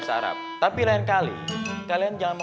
sekarang tinggal empat menit lagi